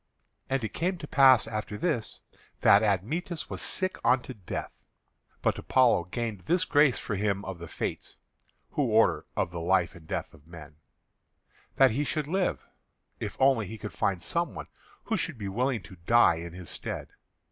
And it came to pass after this that Admetus was sick unto death. But Apollo gained this grace for him of the Fates (who order of life and death for men), that he should live, if only he could find some one who should be willing to die in his stead.